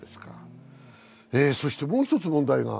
そして、もう１つ問題が。